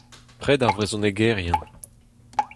Pred ar vrezhonegerien.